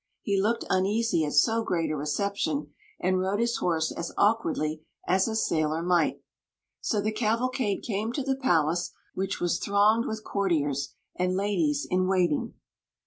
He looked uneasy at so great a reception, and rode his horse as awkwardly as a sailor might So the cavalcade came to the palace, which was thronged with courtiers and ladies in waiting.